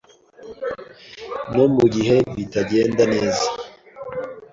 No mu gihe bitagenda neza